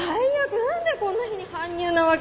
何でこんな日に搬入なわけ？